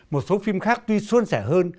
một số phim khác tuy suôn sẻ hơn